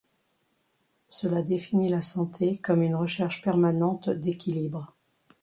Cela définit la santé comme une recherche permanente d'équilibre.